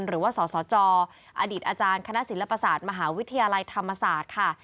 หรือว่าสสจอดีตอาจารย์คณะศิลปศาสตร์มหาวิทยาลัยธรรมศาสตร์ค่ะ